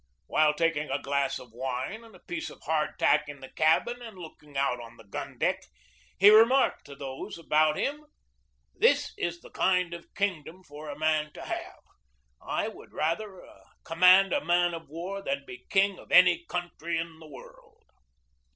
While taking a glass of wine and a piece of hardtack in the cabin and looking out on the gun deck, he remarked to those about him: "This is the kind of kingdom for a man to have. I would rather command a man of war than be king of any country in the world."